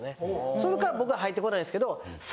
その代わり僕は入ってこないですけど。